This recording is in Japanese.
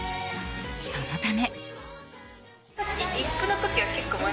そのため。